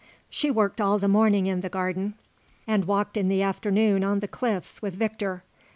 She worked all the morning in the garden and walked in the afternoon on the cliffs with Victor.